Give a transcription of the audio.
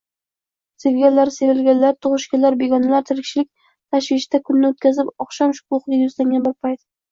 Sevganlar-sevilganlar, tugʻishganlar-begonalar tirikchilik tashvishida kunni oʻtkazib, oqshom shukuhiga yuzlangan bir payt.